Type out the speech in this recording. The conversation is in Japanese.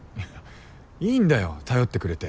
いいんだよ頼ってくれて。